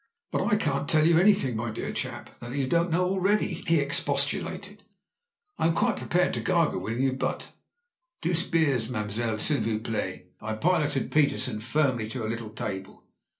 "But I can't tell you an3rthing, my dear chap, that you don't know already!" he expostiJlftted. "I am quite prepared to gargle with you, but " "Deux bieres, ma'm'selle, s'il vous plait." I piloted Petersen firmly to a little table.